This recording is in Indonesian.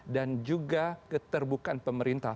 dan juga keterbukaan pemerintah